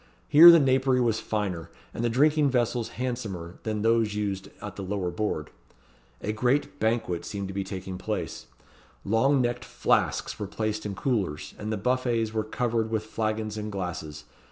Here the napery was finer, and the drinking vessels handsomer, than those used at the lower board. A grand banquet seemed taking place. Long necked flasks were placed in coolers, and the buffets were covered with flagons and glasses.